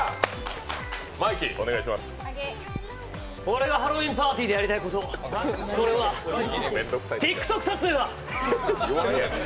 俺のハロウィーンパーティーでやりたいこと、それはＴｉｋＴｏｋ撮影だ！